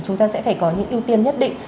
chúng ta sẽ phải có những ưu tiên nhất định